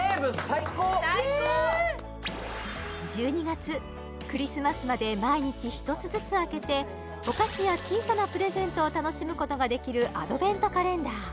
最高最高１２月クリスマスまで毎日１つずつ開けてお菓子や小さなプレゼントを楽しむことができるアドベントカレンダー